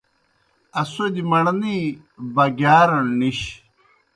اسودیْ مڑنے بَگِیارَݨ نِش۔